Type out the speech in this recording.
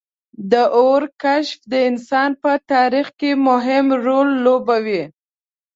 • د اور کشف د انسان په تاریخ کې مهم رول لوبولی.